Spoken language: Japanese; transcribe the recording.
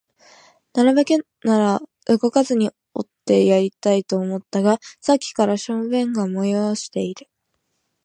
なるべくなら動かずにおってやりたいと思ったが、さっきから小便が催している